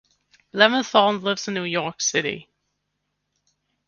Leventhal lives in New York City.